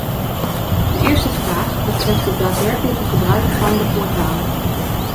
De eerste vraag betreft het daadwerkelijke gebruik van de portaal.